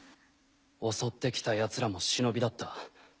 襲ってきたヤツらも忍だった。